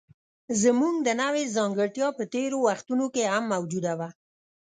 زموږ د نوعې ځانګړتیا په تېرو وختونو کې هم موجوده وه.